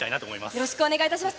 よろしくお願いします。